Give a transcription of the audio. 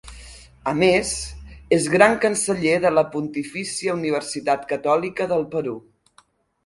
A més és Gran Canceller de la Pontifícia Universitat Catòlica del Perú.